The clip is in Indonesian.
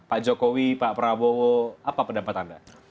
pak jokowi pak prabowo apa pendapat anda